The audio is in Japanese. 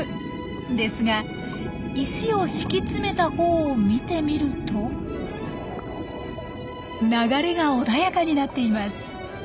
ですが石を敷き詰めたほうを見てみると流れが穏やかになっています。